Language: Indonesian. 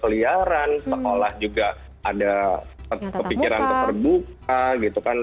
sekolah liaran sekolah juga ada kepikiran terbuka gitu kan